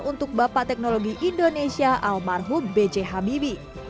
untuk bapak teknologi indonesia almarhum bghbb